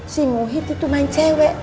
si muhid itu main cewek